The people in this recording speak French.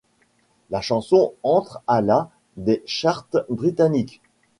La chanson entre à la des charts britanniques.